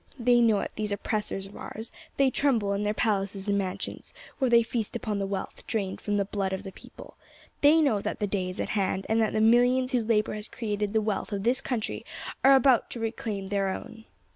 They know it, these oppressors of ours; they tremble in their palaces and mansions, where they feast upon the wealth drained from the blood of the people. They know that the day is at hand, and that the millions whose labour has created the wealth of this country are about to reclaim their own."